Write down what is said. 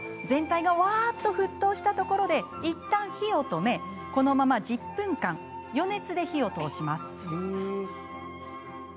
全体がわあっと沸騰したところで一旦火を止めこのまま１０分間余熱で火を通します。